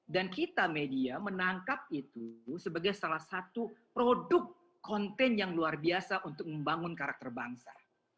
dan kita media menangkap itu sebagai salah satu produk konten yang luar biasa untuk membangun karakter bangsa